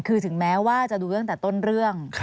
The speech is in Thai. คือถึงแม้ว่าจะดูตั้งแต่ต้นเรื่อง